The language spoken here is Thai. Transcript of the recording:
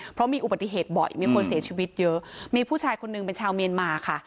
เพราะมีอุบัติเหตุบ่อยมีคนเสียชีวิตเยอะมีผู้ชายคนหนึ่งเป็นชาวเมียนมาค่ะ